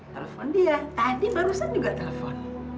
telepon dia tadi barusan juga telepon